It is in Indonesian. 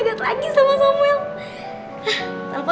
gak ada yang nge subscribe